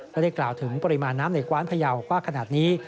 ได้กล่าวถึงปริมาณน้ำในกว้านพยาวว่าขนาดนี้